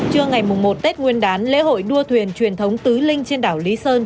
trưa ngày một tết nguyên đán lễ hội đua thuyền truyền thống tứ linh trên đảo lý sơn